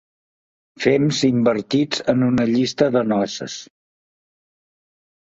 Fems invertits en una llista de noces.